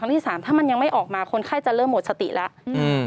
ถ้ามันยังไม่ออกมาคนไข้จะเริ่มหมดสติแล้ว